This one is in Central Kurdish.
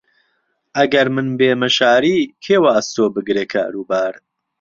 ئەگەر من بێمە شاری، کێ وەئەستۆ بگرێ کاروبار؟